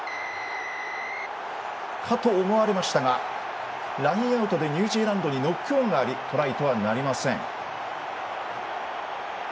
かと思われましたがラインアウトでニュージーランドにノックオンがありトライとはなりません。